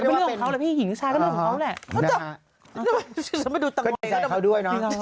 แล้วไม่เลือกเขาเลยพี่หญิงผู้ชายก็เลือกเขาไหม